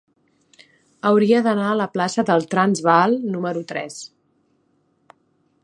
Hauria d'anar a la plaça del Transvaal número tres.